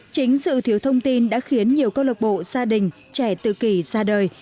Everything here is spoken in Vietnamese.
chính sự thiếu thông tin đã khiến nhiều cơ lộc bộ gia đình trẻ tự kỳ ra đời